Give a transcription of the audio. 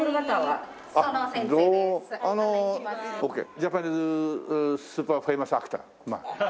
ジャパニーズスーパーフェイマスアクター。